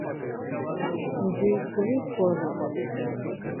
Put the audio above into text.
nzi kubikora